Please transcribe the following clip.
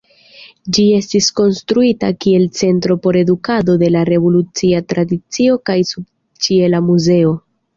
Ĝi estis konstruita kiel centro por edukado de la revoluciaj tradicioj kaj subĉiela muzeo.